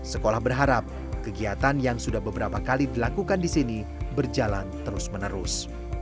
sekolah berharap kegiatan yang sudah beberapa kali dilakukan di sini berjalan terus menerus